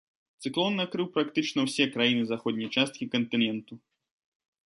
Цыклон накрыў практычна ўсе краіны заходняй часткі кантыненту.